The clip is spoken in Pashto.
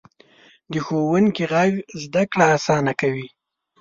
د ښوونکي غږ زده کړه اسانه کوي.